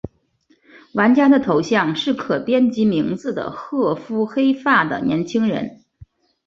玩家的头像是可编辑名字的褐肤黑发的年轻人。